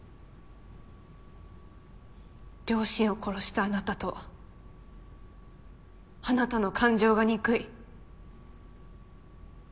両親を殺したあなたとあなたの感情が憎い。